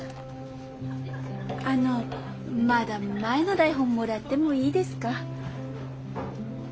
あのまだ前の台本貰ってもいいですか？